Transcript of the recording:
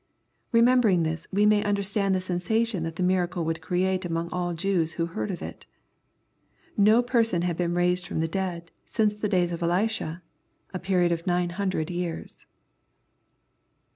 Remembering this, we may understand the sensation that the miracle would create among all Jews who heard of it. No person had been raised from the dead, since the days of Elisha, a period of nine hundred years.